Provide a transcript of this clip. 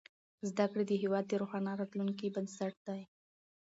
زدهکړې د هېواد د روښانه راتلونکي بنسټ دی.